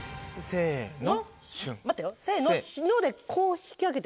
せの。